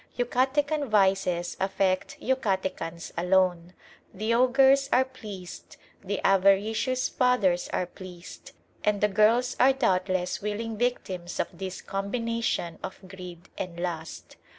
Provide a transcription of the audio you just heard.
Yucatecan vices affect Yucatecans alone. The ogres are pleased, the avaricious fathers are pleased, and the girls are doubtless willing victims of this combination of greed and lust.